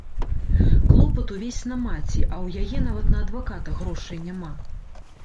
Клопат увесь на маці, а ў яе нават на адваката грошай няма.